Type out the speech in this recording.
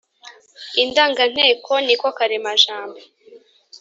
. Indanganteko ni ko karemajambo